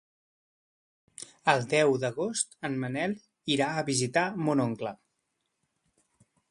El deu d'agost en Manel irà a visitar mon oncle.